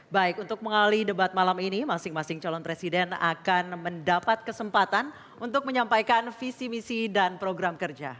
baik untuk mengali debat malam ini masing masing calon presiden akan mendapat kesempatan untuk menyampaikan visi misi dan program kerja